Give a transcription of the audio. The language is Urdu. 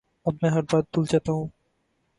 اب میں ہر بات بھول جاتا ہوں